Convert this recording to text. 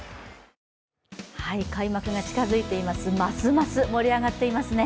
開幕が近づいていますますます盛り上がっていますね。